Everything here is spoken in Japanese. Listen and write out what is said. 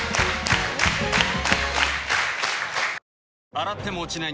洗っても落ちない